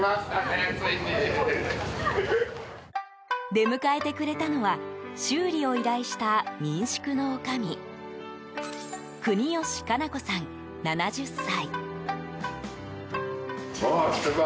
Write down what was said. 出迎えてくれたのは修理を依頼した民宿のおかみ国吉佳奈子さん、７０歳。